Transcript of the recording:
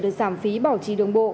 được giảm phí bảo trì đường bộ